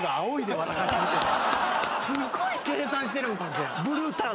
すごい計算してるんかもしれん。